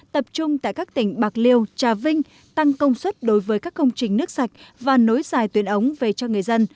tập trung tại các tỉnh bạc liêu trà vinh tăng công suất đối với các công trình nước sạch và nối dài tuyến ống về cho người dân